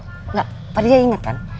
padahal dia inget kan